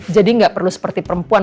jadi gak perlu seperti perempuan